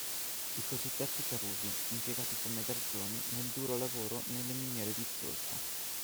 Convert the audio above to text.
I cosiddetti carusi, impiegati come garzoni nel duro lavoro nelle miniere di zolfo.